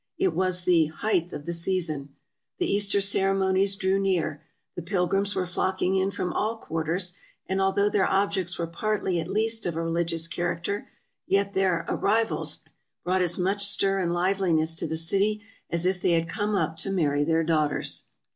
It was the '' height of the season." The Easter ceremonies drew near; the pil grims were flocking in from all quarters, and although their objects were partly at least of a religious character, yet their '' arrivals '' brought as much stir and liveliness to the city as if they had come up to marry their daughters.